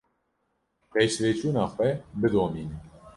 Pêşveçûna xwe bidomîne.